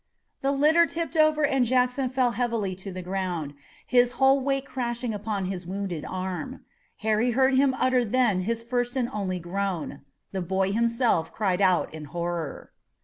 The litter tipped over and Jackson fell heavily to the ground, his whole weight crashing upon his wounded arm. Harry heard him utter then his first and only groan. The boy himself cried out in horror.